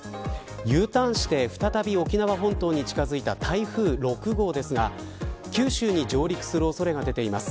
Ｕターンして再び沖縄本島に近づいた台風６号ですが九州に上陸する恐れが出ています。